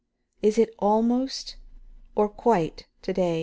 "Is it 'almost,' or quite, to day?"